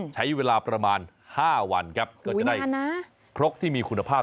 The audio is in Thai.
ใช้เวลาประมาณ๕วันครับก็จะได้ครกที่มีคุณภาพ